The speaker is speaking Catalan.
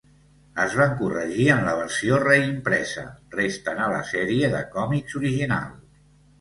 Es van corregir en la versió reimpresa, resten a la serie de còmics original.